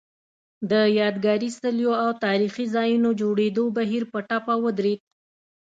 د یادګاري څلیو او تاریخي ځایونو جوړېدو بهیر په ټپه ودرېد